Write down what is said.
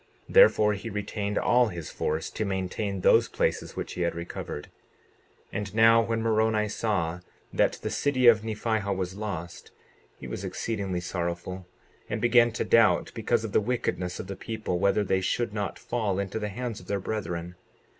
59:10 Therefore he retained all his force to maintain those places which he had recovered. 59:11 And now, when Moroni saw that the city of Nephihah was lost he was exceedingly sorrowful, and began to doubt, because of the wickedness of the people, whether they should not fall into the hands of their brethren.